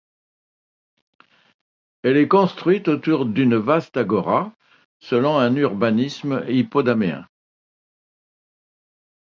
Elle est construite autour d’une vaste agora, selon un urbanisme hippodaméen.